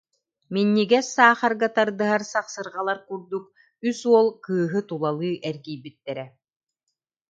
Минньигэс саахарга тардыһар сахсырҕалар курдук үс уол кыыһы тулалыы эргийбиттэрэ